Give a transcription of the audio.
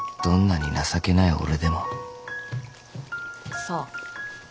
［どんなに情けない俺でも］さあ。